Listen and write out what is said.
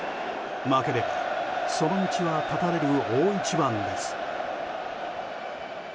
負ければその道は絶たれる大一番です。